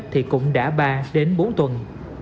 thì cũng đã ba đến bốn tuần